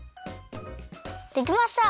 できました！